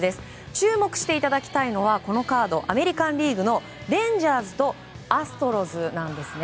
注目していただきたいのはこのカードアメリカン・リーグのレンジャーズとアストロズなんですね。